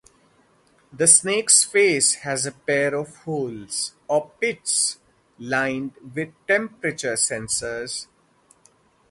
The snakes' face has a pair of holes, or pits, lined with temperature sensors.